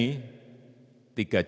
komponen anak usia dini